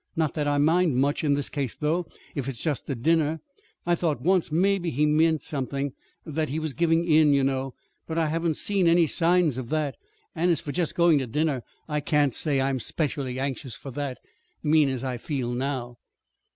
"Not that I mind much, in this case, though, if it's just a dinner. I thought once, maybe he meant something that he was giving in, you know. But I haven't seen any signs of that. And as for just going to dinner I can't say I am 'specially anxious for that mean as I feel now."